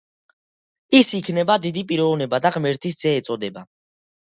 ის იქნება დიდი პიროვნება და ღმერთის ძე ეწოდება.